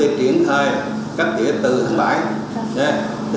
và công ty triển thai cắt tỉa từ tháng bảy